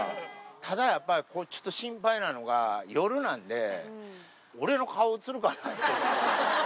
ただやっぱり、ちょっと心配なのが、夜なんで、俺の顔写るかなと。